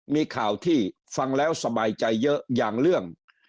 มีข่าวที่ฟังแล้วสบายใจเยอะอย่างเรื่อง